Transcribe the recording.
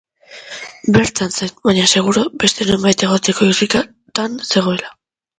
Bertan zen, baina seguru beste nonbait egoteko irrikan zegoela.